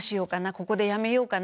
ここでやめようかな